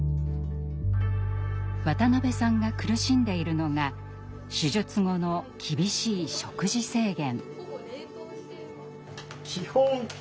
渡辺さんが苦しんでいるのが手術後の厳しい「食事制限」。